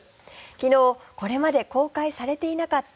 昨日、これまで公開されていなかった